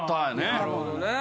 なるほどね。